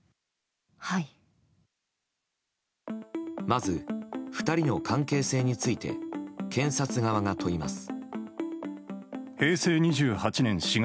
まず、２人の関係性について検察側が問います。